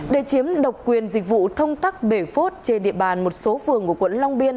để chiếm độc quyền dịch vụ thông tắc bể phốt trên địa bàn một số phường của quận long biên